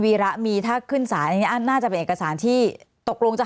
วีระมีถ้าขึ้นสารอันนี้น่าจะเป็นเอกสารที่ตกลงจะ